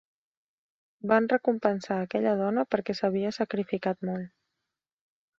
Van recompensar aquella dona perquè s'havia sacrificat molt.